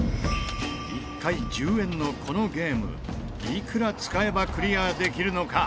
１回１０円のこのゲームいくら使えばクリアできるのか？